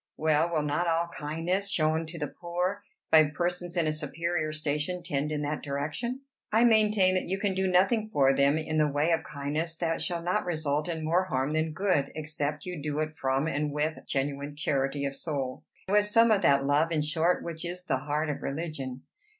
"Well, will not all kindness shown to the poor by persons in a superior station tend in that direction?" "I maintain that you can do nothing for them in the way of kindness that shall not result in more harm than good, except you do it from and with genuine charity of soul; with some of that love, in short, which is the heart of religion.